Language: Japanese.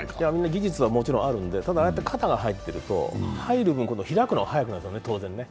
技術はもちろんあるんで、ただああやって肩が入ってると入る分、今度、開くのが早くなるんです、当然のことね。